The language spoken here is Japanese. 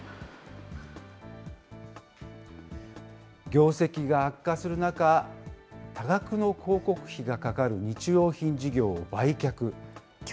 業績が悪化する中、多額の広告費がかかる日用品事業を売却。